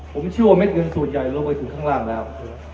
ผมเชื่อว่าเม็ดเงินส่วนใหญ่ลงไปถึงข้างล่างแล้ว